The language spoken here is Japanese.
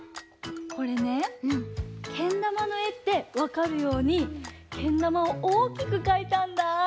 これねけんだまのえってわかるようにけんだまをおおきくかいたんだぁ！